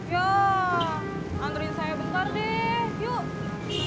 ya anterin saya bentar deh yuk